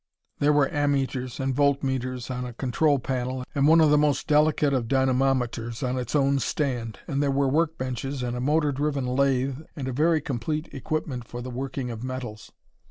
There were ammeters and voltmeters on a control panel, and one of the most delicate of dynamometers on its own stand, and there were work benches and a motor driven lathe and a very complete equipment for the working of metals.